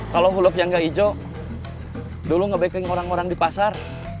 kalau huluk yang gak hijau dulu nge backing orang orang di pasar